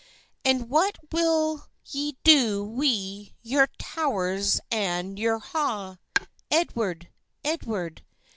"And what will ye do wi' your tow'rs and your ha', Edward, Edward?